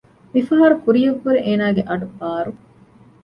މި ފަހަރު ކުރިއަށްވުރެ އޭނާގެ އަޑު ބާރު